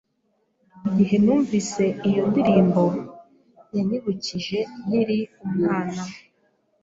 Igihe numvise iyo ndirimbo, yanyibukije nkiri umwana.